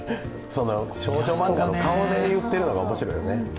その少女漫画の顔で言っているのが面白いよね。